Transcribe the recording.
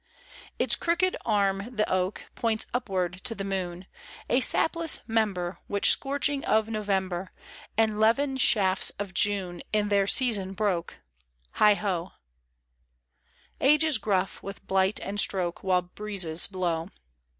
14 Its crooked arm the oak Points upward to the moon ; A sapless member, Which scorching of November And levin shafts of June In their season broke. Heigh ho 1 Age is gruff with blight and stroke, While breezes blow.